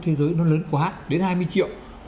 thế giới nó lớn quá đến hai mươi triệu